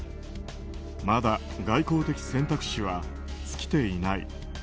まだ外交的選択肢は尽きていない。